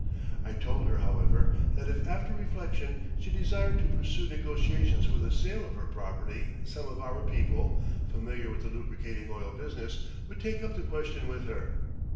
I told her, however, that if after reflection she desired to pursue negotiations for the sale of her property some of our people, familiar with the lubricating oil business, would take up the question with her.